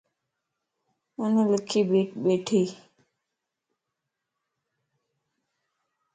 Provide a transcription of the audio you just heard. آن لکي ٻيٺي